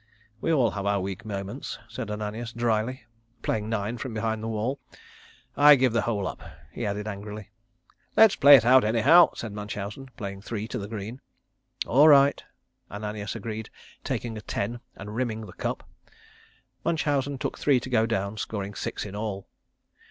"We all have our weak moments," said Ananias drily, playing nine from behind the wall. "I give the hole up," he added angrily. "Let's play it out anyhow," said Munchausen, playing three to the green. "All right," Ananias agreed, taking a ten and rimming the cup. Munchausen took three to go down, scoring six in all.